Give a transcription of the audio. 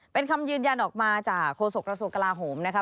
เป็นคำยืนยันออกมาจากโฆษกระทรวงกลาโหมนะคะ